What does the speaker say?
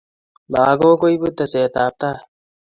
Lakok kuipu teset ab tai